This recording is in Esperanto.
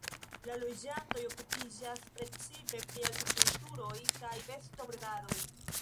La loĝantoj okupiĝas precipe pri agrikulturoj kaj bestobredadoj.